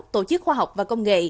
tổ chức khoa học và công nghệ